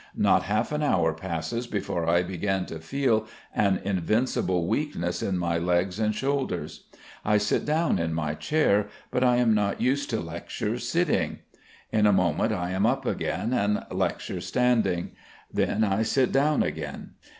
Not half an hour passes before I begin to feel an invincible weakness in my legs and shoulders. I sit down in my chair, but I am not used to lecture sitting. In a moment I am up again, and lecture standing. Then I sit down again.